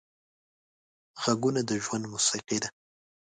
غږونه د ژوند موسیقي ده